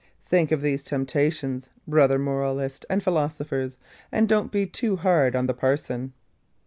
Think of these temptations, brother moralists and philosophers, and don't be too hard on the parson.